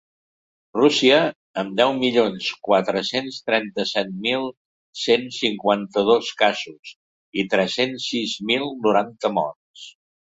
Rússia, amb deu milions quatre-cents trenta-set mil cent cinquanta-dos casos i tres-cents sis mil noranta morts.